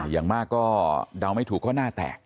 อย่างมากก็เดาไม่ถูกก็หน้าแตก